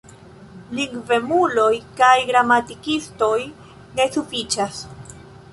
Lingvemuloj kaj gramatikistoj ne sufiĉas.